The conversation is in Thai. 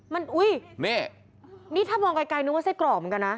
มันอุ้ยนี่นี่ถ้ามองไกลนึกว่าไส้กรอกเหมือนกันนะ